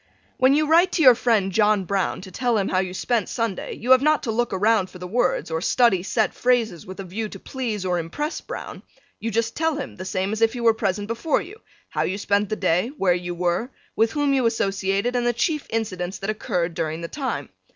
When you write to your friend John Browne to tell him how you spent Sunday you have not to look around for the words, or study set phrases with a view to please or impress Browne, you just tell him the same as if he were present before you, how you spent the day, where you were, with whom you associated and the chief incidents that occurred during the time.